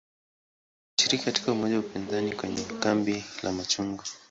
Alishiriki katika umoja wa upinzani kwenye "kambi la machungwa".